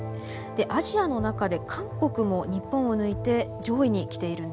でアジアの中で韓国も日本を抜いて上位に来ているんです。